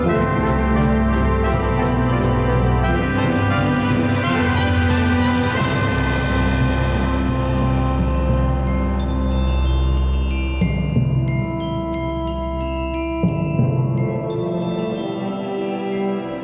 โปรดติดตามตอนต่อไป